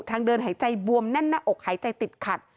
ทางเดินหายใจบวมแน่นหน้าอกหายใจติดขัด